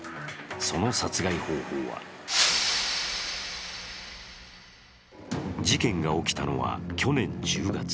その殺害方法は事件が起きたのは去年１０月。